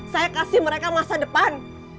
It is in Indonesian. saya kasih mereka masa depan